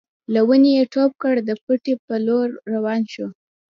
له ونې يې ټوپ کړ د پټي په لور روان شو.